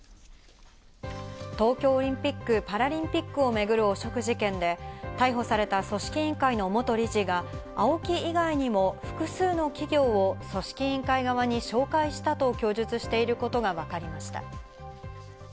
東京オリンピック・パラリンピックを巡る汚職事件で、逮捕された組織委員会の元事理がＡＯＫＩ以外にも複数の企業を組織委員会側に紹介したと供述していることがわかりました。